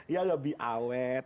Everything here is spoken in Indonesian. ya lebih awet